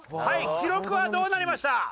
記録はどうなりました？